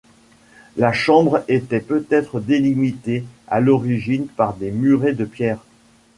La chambre était peut-être délimitée à l'origine par des murets de pierre.